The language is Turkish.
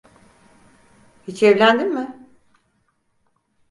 Hiç evlendin mi?